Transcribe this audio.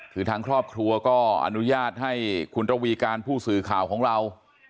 คือทางครอบครัวก็อนุญาตให้คุณระวีการผู้สื่อข่าวของเรา